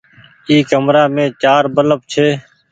اي ڪمرآ مين چآر بلڦ ڇي۔